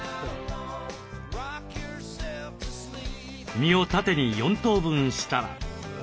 身を縦に４等分したら。